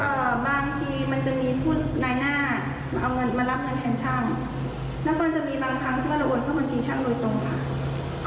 บางทีมันจะมีผู้นายหน้ามาเอาเงินมารับเงินแทนช่างแล้วก็จะมีบางครั้งที่มันโอนเข้าบัญชีช่างโดยตรงค่ะ